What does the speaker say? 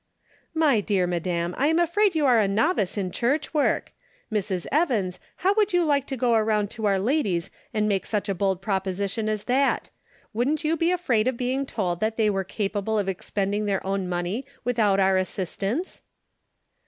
" My dear madam, I am afraid you are a novice in church work. Mrs. Evans, how would you like to go around to our ladies and make such a bold proposition as that? Wouldn't you be afraid of being told that they were capable of expending their own mone}' without our assistance